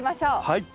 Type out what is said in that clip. はい。